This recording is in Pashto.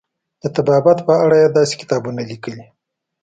د طبابت په اړه یې داسې کتابونه لیکلي.